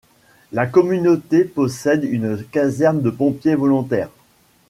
La communauté possède une caserne de pompiers volontaires.